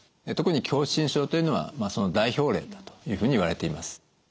特に狭心症というのはその代表例だというふうにいわれています。